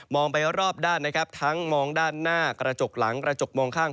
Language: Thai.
ไปรอบด้านนะครับทั้งมองด้านหน้ากระจกหลังกระจกมองข้าง